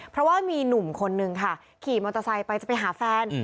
เพราะว่ามีหนุ่มคนนึงค่ะขี่มอเตอร์ไซค์ไปจะไปหาแฟน